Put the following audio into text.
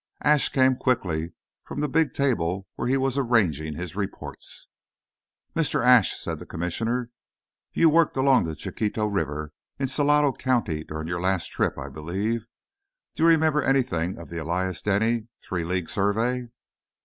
Ashe came quickly from the big table where he was arranging his reports. "Mr. Ashe," said the Commissioner, "you worked along the Chiquito River, in Salado County, during your last trip, I believe. Do you remember anything of the Elias Denny three league survey?"